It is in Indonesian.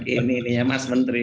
ini ini ya mas menteri